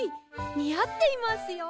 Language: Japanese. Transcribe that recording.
にあっていますよ。